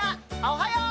おはよう！